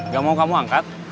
gak mau kamu angkat